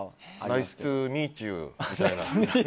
ナイストゥーミーチューみたいな？